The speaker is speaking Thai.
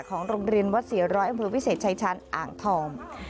ของโรงเรียนวัด๔๐๐อำเภอวิเศษชายชาญอ่างทอง